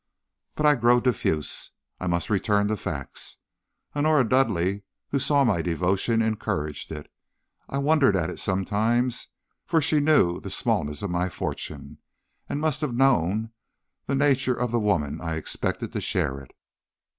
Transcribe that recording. "But I grow diffuse; I must return to facts. Honora Dudleigh, who saw my devotion, encouraged it. I wondered at it sometimes, for she knew the smallness of my fortune, and must have known the nature of the woman I expected to share it.